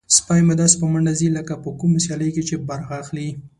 سپی مې داسې په منډه ځي لکه په کومه سیالۍ کې چې برخه اخلي.